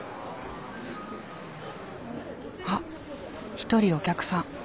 あっ１人お客さん。